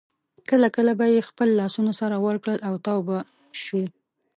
کله کله به یې خپل لاسونه سره ورکړل او تاو به شوې.